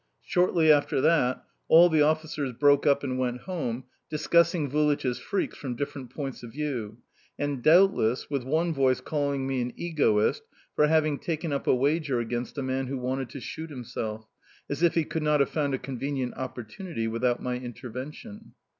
Shortly after that, all the officers broke up and went home, discussing Vulich's freaks from different points of view, and, doubtless, with one voice calling me an egoist for having taken up a wager against a man who wanted to shoot himself, as if he could not have found a convenient opportunity without my intervention.